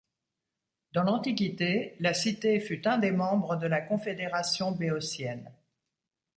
Dans l'antiquité, la cité fut un des membres de la confédération béotienne.